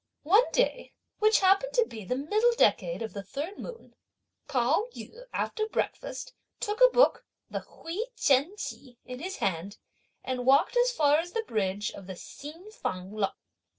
On one day, which happened to be the middle decade of the third moon, Pao yü, after breakfast, took a book, the "Hui Chen Chi," in his hand and walked as far as the bridge of the Hsin Fang lock.